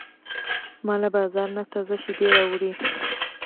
ما له بازار نه تازه شیدې راوړې.